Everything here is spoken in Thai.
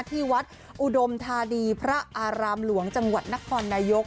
ที่วัดอุดมธานีพระอารามหลวงจังหวัดนครนายก